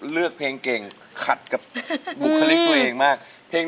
เลือกเพลงเก่งขัดกับบุคลิกตัวเองมาก